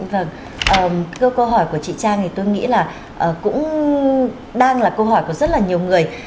vâng câu hỏi của chị trang thì tôi nghĩ là cũng đang là câu hỏi của rất là nhiều người